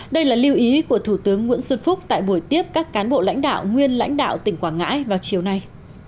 đây là lưu ý của thủ tướng nguyễn xuân phúc tại buổi tiếp các cán bộ lãnh đạo nguyên lãnh đạo tỉnh quảng ngãi vào chiều nay